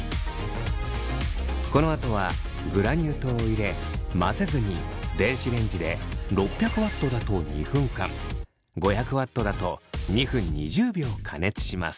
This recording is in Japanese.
このあとはグラニュー糖を入れ混ぜずに電子レンジで６００Ｗだと２分間５００Ｗだと２分２０秒加熱します。